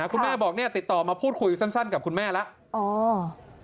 คุณแม่บอกเนี่ยติดต่อมาพูดคุยสั้นกับคุณแม่แล้ว